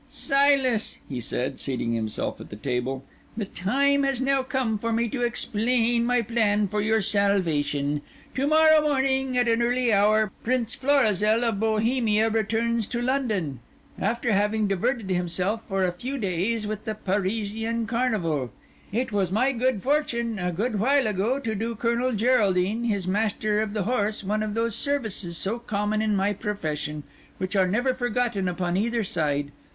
"Silas," he said, seating himself at the table, "the time has now come for me to explain my plan for your salvation. To morrow morning, at an early hour, Prince Florizel of Bohemia returns to London, after having diverted himself for a few days with the Parisian Carnival. It was my fortune, a good while ago, to do Colonel Geraldine, his Master of the Horse, one of those services, so common in my profession, which are never forgotten upon either side.